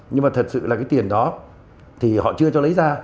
nhưng mà thật sự là cái tiền đó thì họ chưa cho lấy ra